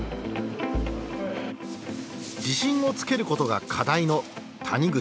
自信をつけることが課題の谷口。